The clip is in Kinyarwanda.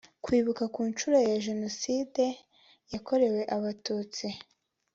Kwibuka ku nshuro ya Jenoside yakorewe Abatutsi